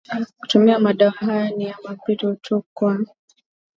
kutumia madawa haya ni ya mpito tu na kwa